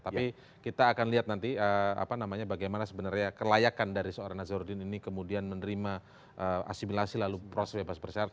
tapi kita akan lihat nanti apa namanya bagaimana sebenarnya kelayakan dari seorang nazarudin ini kemudian menerima asimilasi lalu proses bebas bersyarat